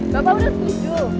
bapak udah setuju